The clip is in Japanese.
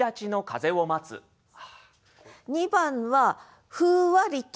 ２番は「ふうわりと」